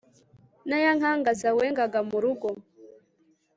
naya nkangaza wengaga murugo